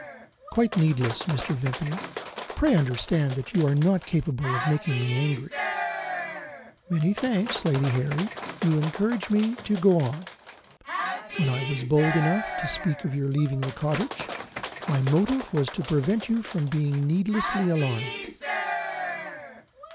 "Quite needless, Mr. Vimpany. Pray understand that you are not capable of making me angry." "Many thanks, Lady Harry: you encourage me to go on. When I was bold enough to speak of your leaving the cottage, my motive was to prevent you from being needlessly alarmed."